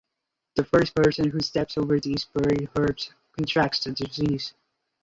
The first person who steps over these buried herbs contracts the disease.